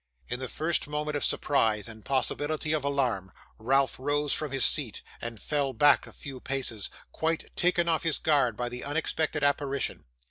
In the first moment of surprise, and possibly of alarm, Ralph rose from his seat, and fell back a few paces, quite taken off his guard by this unexpected apparition.